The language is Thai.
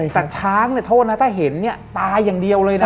แต่ช้างเนี่ยโทษนะถ้าเห็นเนี่ยตายอย่างเดียวเลยนะ